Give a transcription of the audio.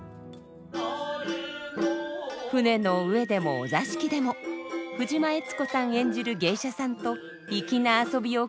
船の上でもお座敷でも藤間恵都子さん演じる芸者さんと粋な遊びを繰り広げます。